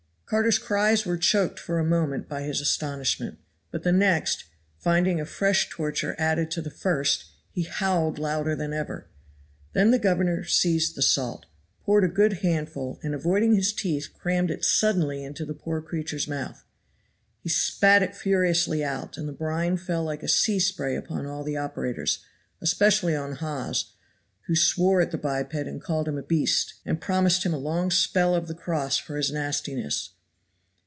Carter's cries were choked for a moment by his astonishment. But the next, finding a fresh torture added to the first, he howled louder than ever. Then the governor seized the salt, powdered a good handful, and avoiding his teeth crammed it suddenly into the poor creature's mouth. He spat it furiously out, and the brine fell like sea spray upon all the operators, especially on Hawes, who swore at the biped, and called him a beast, and promised him a long spell of the cross for his nastiness.